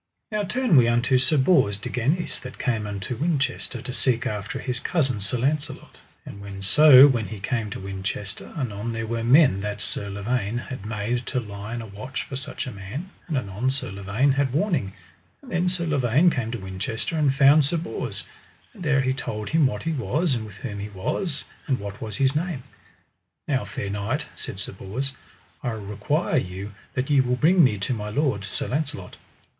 Now turn we unto Sir Bors de Ganis that came unto Winchester to seek after his cousin Sir Launcelot. And so when he came to Winchester, anon there were men that Sir Lavaine had made to lie in a watch for such a man, and anon Sir Lavaine had warning; and then Sir Lavaine came to Winchester and found Sir Bors, and there he told him what he was, and with whom he was, and what was his name. Now fair knight, said Sir Bors, I require you that ye will bring me to my lord, Sir Launcelot.